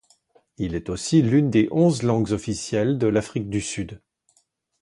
Il est aussi l'une des onze langues officielles de l'Afrique du Sud.